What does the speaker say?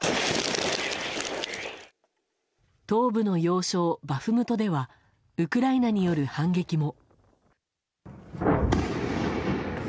東部の要衝バフムトではウクライナによる反撃も。